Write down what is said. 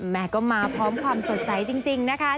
แม่ก็มาพร้อมความสดใสจริงนะคะ